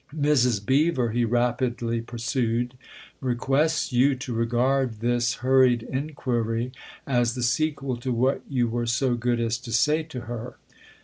Mrs. Beever," he rapidly pursued, "requests you to regard this hurried inquiry as the sequel to what you were so good as to say to her."